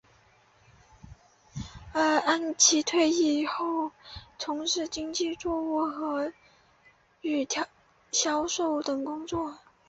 安琦退役后从事经济作物种植与销售等工作。